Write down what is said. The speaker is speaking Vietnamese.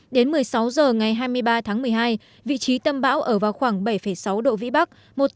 đến một mươi sáu h ngày hai mươi ba tháng một mươi hai vị trí tâm bão ở vào khoảng bảy sáu độ vĩ bắc